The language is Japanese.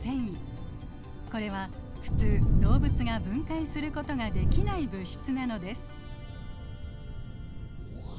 これは普通動物が分解することができない物質なのです。